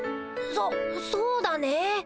そそうだね。